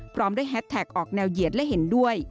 พร้อมด้วยแฮสแท็กออกแนวเหยียดและเห็นด้วย